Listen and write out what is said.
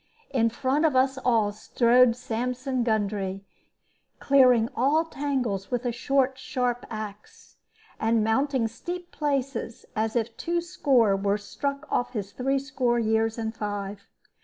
In front of us all strode Sampson Gundry, clearing all tangles with a short, sharp axe, and mounting steep places as if twoscore were struck off his threescore years and five.